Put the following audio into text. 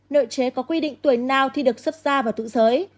nội chế có quy định tuổi nào thì được xuất ra vào thủ giới